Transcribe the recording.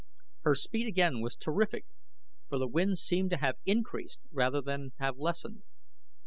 Her speed again was terrific, for the wind seemed to have increased rather than to have lessened.